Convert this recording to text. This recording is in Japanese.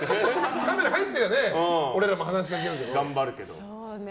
カメラ入ってりゃ俺らも話しかけるけどね。